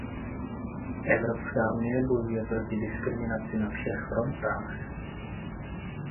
Evropská unie bojuje proti diskriminaci na všech frontách.